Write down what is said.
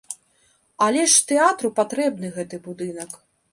Але ж тэатру патрэбны гэты будынак.